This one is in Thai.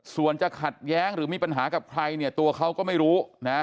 ส่วนจะขัดแย้งหรือมีปัญหากับใครเนี่ยตัวเขาก็ไม่รู้นะ